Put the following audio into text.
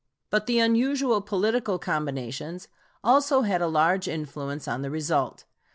But the unusual political combinations also had a large influence on the result.